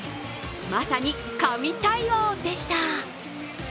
まさに神対応でした。